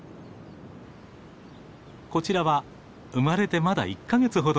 こちらは生まれてまだ１か月ほどの子供。